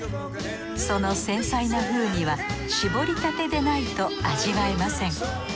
その繊細な風味は搾りたてでないと味わえません。